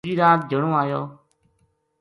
دوجی رات جنو ایو